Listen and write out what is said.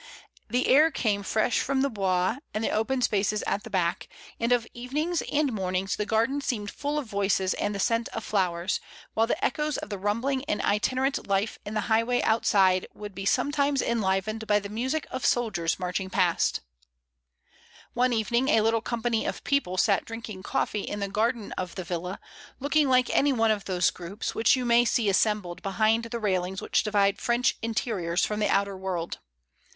The air came fresh from the hois and the COFFEE. 47 open spaces at the back, and of evenings and morn ings the garden seemed full of voices and the scent of flowers, while the echoes of the rumbling and itinerant life in the highway outside would be some times enlivened by the music of soldiers marching past One evening a little company of people sat drinking coffee in the garden of the villa, looking like any one of those groups which you may see assembled behind the railings which divide French interiors from the outer world.